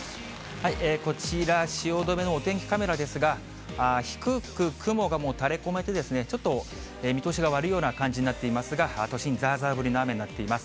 こちら、汐留のお天気カメラですが、低く、雲がもう垂れこめて、ちょっと見通しが悪いような感じになっていますが、都心、ざーざー降りの雨になっています。